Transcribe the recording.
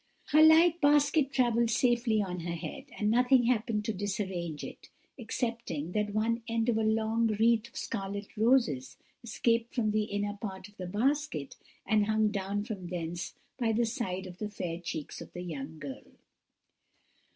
"Her light basket travelled safely on her head, and nothing happened to disarrange it, excepting that one end of a long wreath of scarlet roses escaped from the inner part of the basket, and hung down from thence by the side of the fair cheeks of the young girl.